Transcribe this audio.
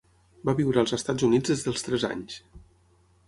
Va viure als Estats Units des dels tres anys.